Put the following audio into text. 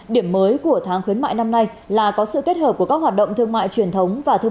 điểm mới của tháng khuyến mại năm nay là có sự kết hợp của các hoạt động thương mại truyền thống và thương